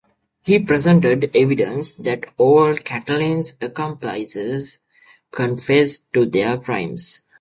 He presented evidence that all of Catiline's accomplices confessed to their crimes.